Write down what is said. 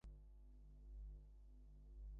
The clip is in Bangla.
কেবল আমার কনুইয়ের ব্যথাটা বাদে।